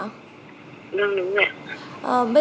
đúng đúng rồi ạ